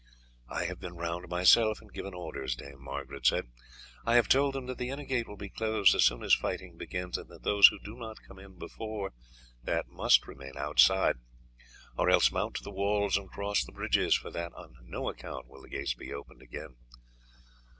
"I have been round myself and given orders," Dame Margaret said. "I have told them that the inner gate will be closed as soon as fighting begins, and that those who do not come in before that must remain outside, or else mount to the walls and cross the bridges, for that on no account will the gates be opened again."